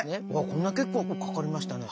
こんな結構かかりましたね。